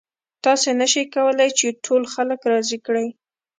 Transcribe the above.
تاسې نشئ کولی چې ټول خلک راضي کړئ.